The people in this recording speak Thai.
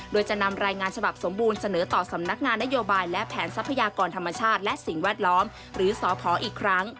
โดยจะนำรายงานฉบับสมบูรณ์เสนอต่อสำนักงานนโยบายและแผนทรัพยากรธรรมชาติและสิ่งแวดล้อมหรือสพอีกครั้ง